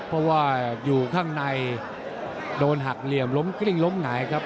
เพราะว่าอยู่ข้างในโดนหักเหลี่ยมล้มกลิ้งล้มหงายครับ